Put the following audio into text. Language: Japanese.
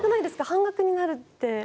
半額になるって。